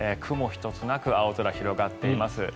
雲一つなく青空が広がっています。